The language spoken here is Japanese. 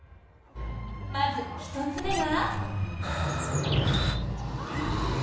まず１つ目が。